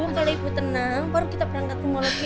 kalau ibu tenang baru kita berangkat ke mall oke